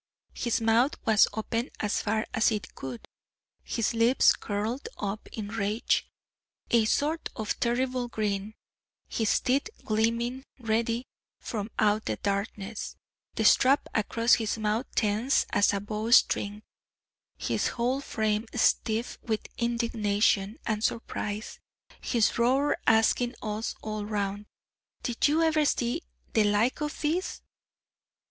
His mouth was open as far as it could; his lips curled up in rage a sort of terrible grin; his teeth gleaming, ready, from out the darkness; the strap across his mouth tense as a bowstring; his whole frame stiff with indignation and surprise; his roar asking us all round, "Did you ever see the like of this?"